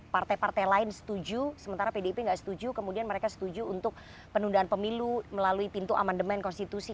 partai partai lain setuju sementara pdip nggak setuju kemudian mereka setuju untuk penundaan pemilu melalui pintu amandemen konstitusi